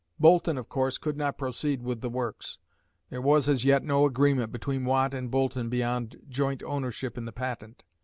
Boulton, of course, could not proceed with the works. There was as yet no agreement between Watt and Boulton beyond joint ownership in the patent.